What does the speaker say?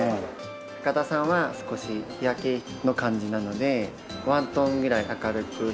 高田さんは少し日焼けの感じなのでワントーンぐらい明るく。